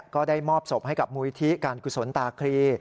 ก็ได้มอบศพให้กับมูลิธิการกุศลตาครี